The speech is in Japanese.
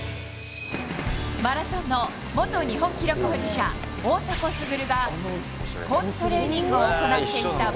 マラソンの元日本記録保持者、大迫傑が高地トレーニングを行っ